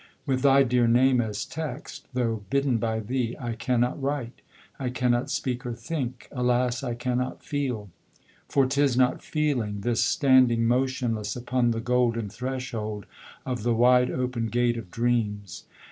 With thy dear name as text, though bidden by thee, I cannot write I cannot speak or think Alas, I cannot feel; for 'tis not feeling, This standing motionless upon the golden Threshold of the wide open gate of dreams.